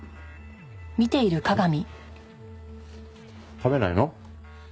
食べないの？